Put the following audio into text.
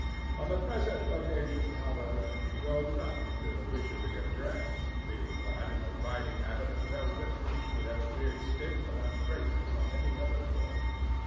On the present occasion, however, she owed nothing to the witchery of dress, being clad in a riding habit of velvet which would have appeared stiff and ungraceful on any other form.